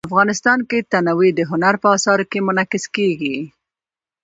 افغانستان کې تنوع د هنر په اثار کې منعکس کېږي.